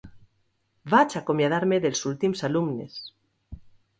Vaig acomiadar-me dels últims alumnes.